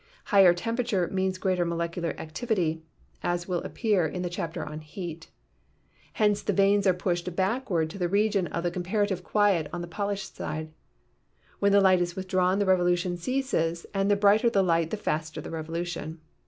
Higher tem perature means greater molecular activity (as will appear 40 PHYSICS in the chapter on Heat). Hence the vanes are pushed backward into the region of comparative quiet on the pol ished side. When light is withdrawn the revolution ceases and the brighter the light the faster the revolution.